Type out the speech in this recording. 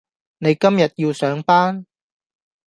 你今日要上班?